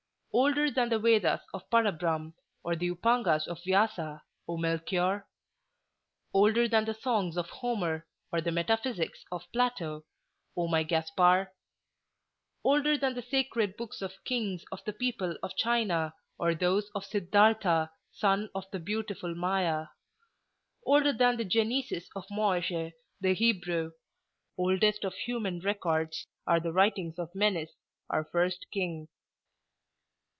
Older than the Vedas of Para Brahm or the Up Angas of Vyasa, O Melchior; older than the songs of Homer or the metaphysics of Plato, O my Gaspar; older than the sacred books or kings of the people of China, or those of Siddartha, son of the beautiful Maya; older than the Genesis of Mosche the Hebrew—oldest of human records are the writings of Menes, our first king."